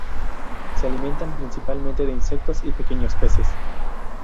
Se alimentan principalmente de insectos y pequeños peces.